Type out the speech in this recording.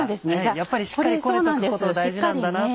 やっぱりしっかりこねとくことが大事なんだなと。